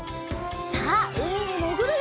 さあうみにもぐるよ！